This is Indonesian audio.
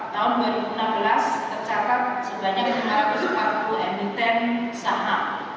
tahun dua ribu enam belas tercatat sebanyak sembilan ratus empat puluh emiten saham